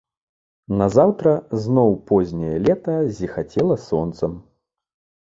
Назаўтра зноў позняе лета зіхацела сонцам.